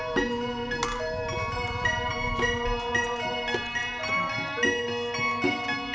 kamu mau berantem lagi langsung ke dampan biasa hingga pandemi ini al visible